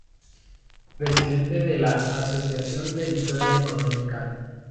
Presidente de la "Asociación de Historia Económica".